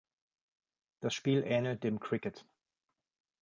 Das Spiel ähnelt dem Cricket.